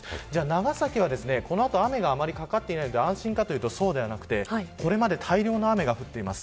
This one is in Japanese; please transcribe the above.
長崎はこの後、雨があまりかかっていないので安心かというとそうではなくてこれまで大量の雨が降っています。